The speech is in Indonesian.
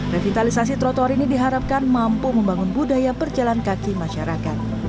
revitalisasi trotoar ini diharapkan mampu membangun budaya perjalan kaki masyarakat